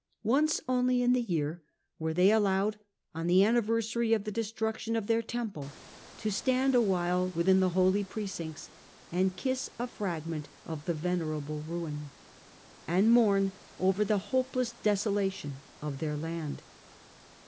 Once only in the year were they allowed, on the anniversary of the de struction of their temple, to stand awhile within the holy precincts and kiss a fragment of the venerable ruin, and mourn over the hopeless desolation of their land.